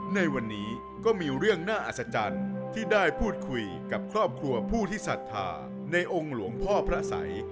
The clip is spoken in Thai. ในวันนี้ก็มีเรื่องน่าอัศจรรย์ที่ได้พูดคุยกับครอบครัวผู้ที่ศรัทธาในองค์หลวงพ่อพระสัย